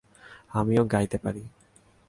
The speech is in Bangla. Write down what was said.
আমিও গাইতে পারি।